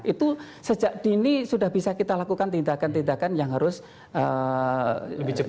itu sejak dini sudah bisa kita lakukan tindakan tindakan yang harus lebih cepat